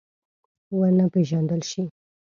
ونه پېژندل شي.